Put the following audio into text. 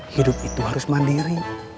hidup itu harus mandiri